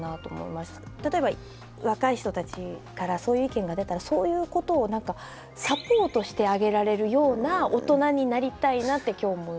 例えば若い人たちからそういう意見が出たらそういうことを何かサポートしてあげられるような大人になりたいなって今日思いました。